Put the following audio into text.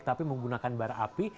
tapi menggunakan barang api